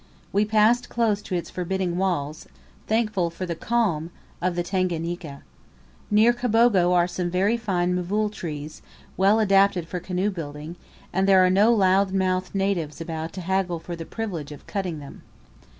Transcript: We passed close to its forbidding walls, thankful for the calm of the Tanganika. Near Kabogo are some very fine mvule trees, well adapted for canoe building, and there are no loud mouthed natives about to haggle for the privilege of cutting them.